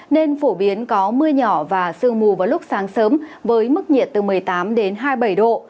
nên phổ biến có mưa nhỏ và sương mù vào lúc sáng sớm với mức nhiệt từ một mươi tám đến hai mươi bảy độ